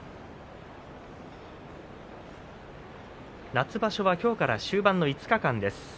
夏場所はきょうから終盤の５日間です。